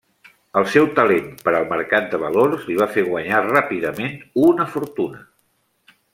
El seu talent per al mercat de valors li va fer guanyar ràpidament una fortuna.